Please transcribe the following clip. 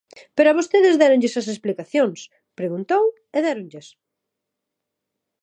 Pero a vostedes déronlles as explicacións, preguntou e déronllas.